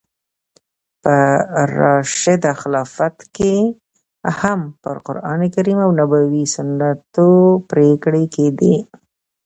په راشده خلافت کښي هم پر قرانکریم او نبوي سنتو پرېکړي کېدې.